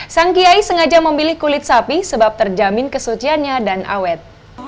sang kiai sengaja memilih kulit sapi sebab terjamin kesuciannya dan awet